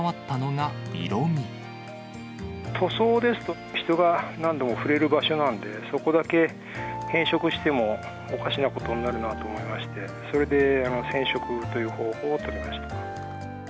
塗装ですと、人が何度も触れる場所なんで、そこだけ変色してもおかしなことになるなと思いまして、それで染色という方法を取りました。